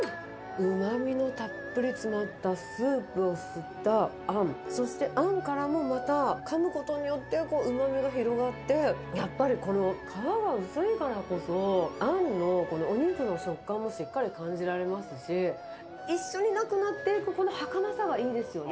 うまみのたっぷり詰まったスープを吸ったあん、そしてあんからもまた、かむことによってうまみが広がって、やっぱりこの皮が薄いからこそ、あんのこのお肉の食感もしっかり感じられますし、一緒になくなっていくこのはかなさがいいですよね。